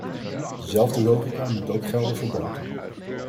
Dezelfde logica moet ook gelden voor boten.